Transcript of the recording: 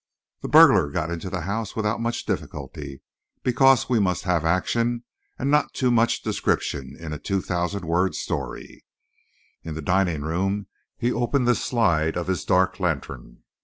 The burglar got into the house without much difficulty; because we must have action and not too much description in a 2,000 word story. In the dining room he opened the slide of his dark lantern.